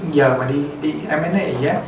giờ mà đi em bé nó ý á